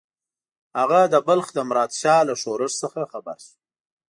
هغه د بلخ د مراد شاه له ښورښ څخه خبر شو.